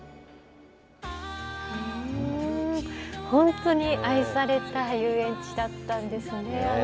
本当に愛された遊園地だったんですね。